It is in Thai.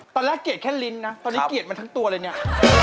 เกลียดแค่ลิ้นนะตอนนี้เกลียดมาทั้งตัวเลยเนี่ย